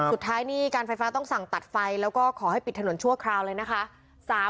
สุดท้ายนี่การไฟฟ้าต้องสั่งตัดไฟแล้วก็ขอให้ปิดถนนชั่วคราวเลยนะคะ